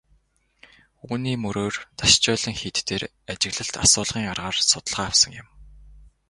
Үүний мөрөөр Дашчойлин хийд дээр ажиглалт асуулгын аргаар судалгаа авсан юм.